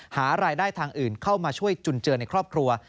หารายได้ทางอื่นเข้ามาช่วยจุนเจอในครอบครัว